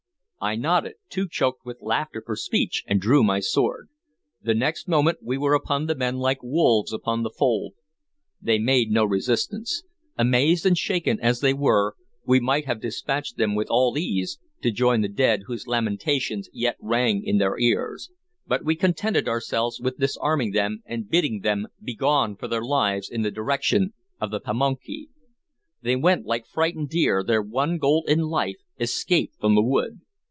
I nodded, too choked with laughter for speech, and drew my sword. The next moment we were upon the men like wolves upon the fold. They made no resistance. Amazed and shaken as they were, we might have dispatched them with all ease, to join the dead whose lamentations yet rang in their ears; but we contented ourselves with disarming them and bidding them begone for their lives in the direction of the Pamunkey. They went like frightened deer, their one goal in life escape from the wood.